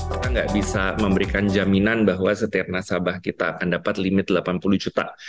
kita nggak bisa memberikan jaminan bahwa setiap nasabah kita akan dapat limit delapan puluh juta